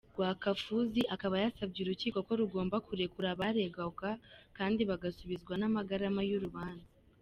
Rwakafuzi akaba yasabye urukiko ko rugomba kurekura abaregwa kandi bagasubizwa n’amagarama y’urubanza.